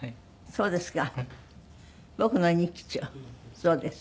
そうですか。